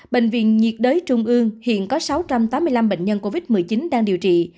bệnh viện nhiệt đới trung ương hiện có sáu trăm tám mươi năm bệnh nhân covid một mươi chín đang điều trị